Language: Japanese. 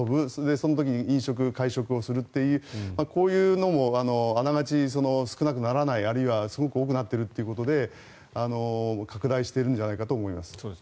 その時に飲食、会食をするというこういうのも、あながち少なくならないあるいはすごく多くなっているということで拡大してるんじゃないかと思います。